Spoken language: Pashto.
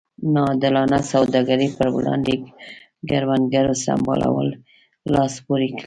نا عادلانه سوداګرۍ پر وړاندې کروندګرو سمبالولو لاس پورې کړ.